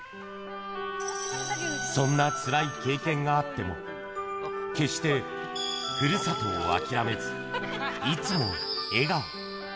そんなつらい経験があっても、決してふるさとを諦めず、いつも笑顔。